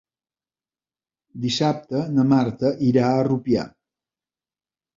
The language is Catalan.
Dissabte na Marta irà a Rupià.